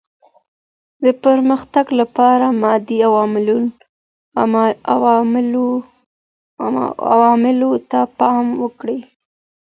د پرمختګ لپاره مادي عواملو ته پام وکړئ.